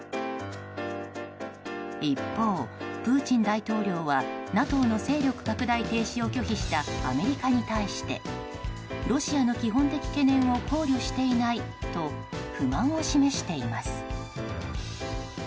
一方、プーチン大統領はＮＡＴＯの勢力拡大停止を拒否したアメリカに対してロシアの基本的懸念を考慮していないと不満を示しています。